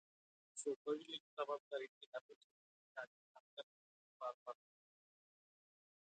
सोपविलेली जबाबदारी ते अपेक्षेपेक्षाही अधिक चांगल्या पध्दतीने पार पाडतात.